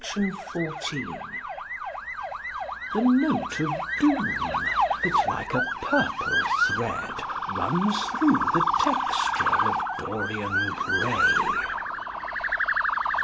_The note of doom that like a purple thread runs through the texture of "Dorian Gray."